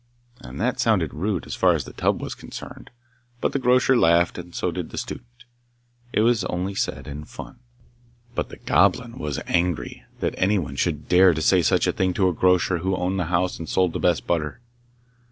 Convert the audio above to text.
And that sounded rude as far as the tub was concerned, but the grocer laughed, and so did the student. It was only said in fun. But the Goblin was angry that anyone should dare to say such a thing to a grocer who owned the house and sold the best butter.